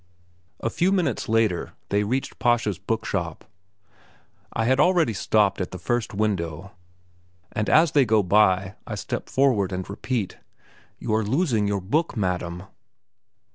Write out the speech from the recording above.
A few minutes later, they reached Pascha's bookshop. I had already stopped at the first window, and as they go by I step forward and repeat: "You are losing your book, madam!"